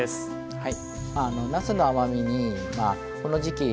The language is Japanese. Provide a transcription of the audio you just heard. はい。